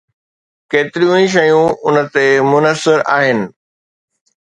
ڪيتريون ئي شيون ان تي منحصر آهن.